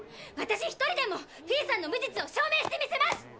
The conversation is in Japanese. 私一人でもフィーさんの無実を証明してみせます！